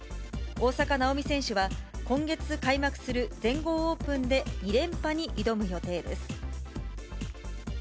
大坂なおみ選手は、今月開幕する全豪オープンで２連覇に挑む予定です。